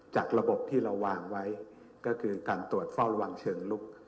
จากระบบที่เราวางไว้ก็คือการตรวจเฝ้าระวังเชิงลุก